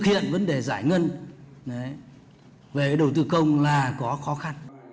hiện vấn đề giải ngân đấy về cái đầu tư công là có khó khăn